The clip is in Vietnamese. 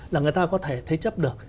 là người ta có thể thế chấp được